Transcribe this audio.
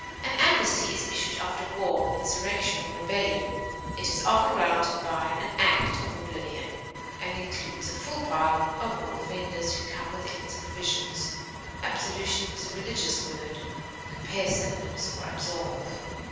An amnesty is issued after war, insurrection, or rebellion; it is often granted by "an act of oblivion," and includes a full pardon of all offenders who come within its provisions. Absolution is a religious word (compare synonyms for ABSOLVE).